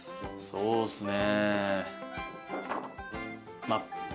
そうっすね。